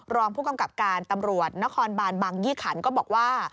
รองผู้กำกับการตำรวจนครบานบางยี่ขันก็บอกว่า